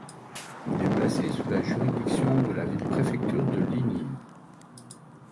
Il est placé sous la juridiction de la ville-préfecture de Linyi.